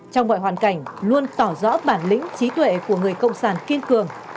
trong mọi hoàn cảnh luôn tỏ rõ bản lĩnh trí tuệ của người cộng sản kiên cường